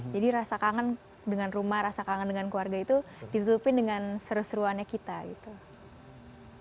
jadi rasa kangen dengan rumah rasa kangen dengan keluarga itu ditutupin dengan seru seruannya kita gitu